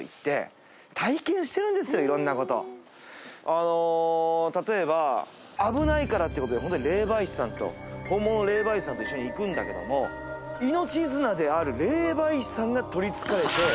あの例えば危ないからって事でホントに霊媒師さんと本物の霊媒師さんと一緒に行くんだけども命綱である霊媒師さんが取りつかれて。